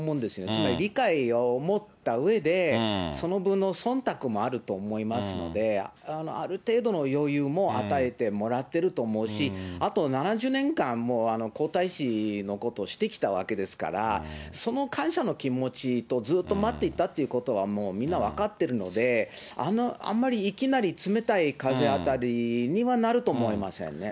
つまり理解を持ったうえで、その分のそんたくもあると思いますので、ある程度の余裕も与えてもらってると思うし、あと７０年間、もう皇太子のことしてきたわけですから、その感謝の気持ちと、ずっと待っていたということはもうみんな分かっているので、あんまりいきなり冷たい風当たりにはなると思いませんね。